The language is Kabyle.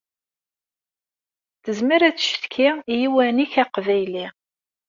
Tezmer ad tcetki i uwanek aqbayli.